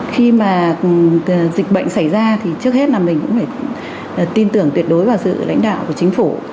khi mà dịch bệnh xảy ra thì trước hết là mình cũng phải tin tưởng tuyệt đối vào sự lãnh đạo của chính phủ